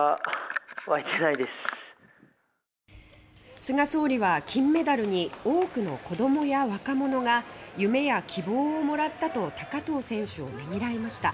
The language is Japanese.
菅総理は金メダルに多くの子どもや若者が夢や希望をもらったと高藤選手をねぎらいました。